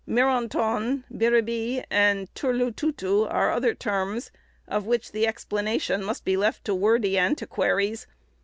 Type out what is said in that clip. "Mironton," "Biribi," and "Turlututu," are other terms, of which the explanation must be left to wordy antiquaries.